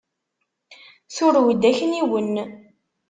Turew-d akniwen.